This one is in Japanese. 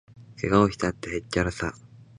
けがをしたって、へっちゃらさ